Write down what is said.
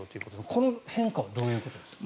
この変化はどういうことですか。